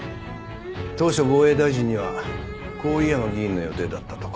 当初防衛大臣には郡山議員の予定だったとか。